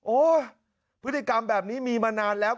พฤติกรรมแบบนี้มีมานานแล้ว